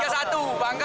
semoga kita lancar